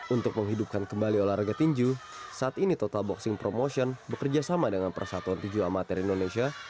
untuk menghidupkan kembali olahraga tinju saat ini total boxing promotion bekerja sama dengan persatuan tinju amatir indonesia